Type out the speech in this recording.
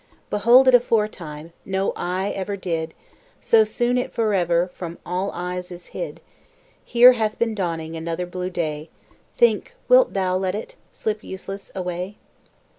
Behold it aforetime No eye ever did; So soon it forever From all eyes is hid. Here hath been dawning Another blue day; Think, wilt thou let it Slip useless away?